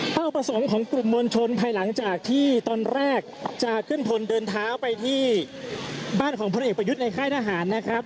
ประสงค์ของกลุ่มมวลชนภายหลังจากที่ตอนแรกจะขึ้นพลเดินเท้าไปที่บ้านของพลเอกประยุทธ์ในค่ายทหารนะครับ